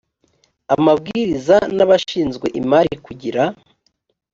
amabwiriza n abashinzwe imari kugira